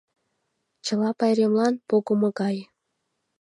Чылт пайремлан погымо гай.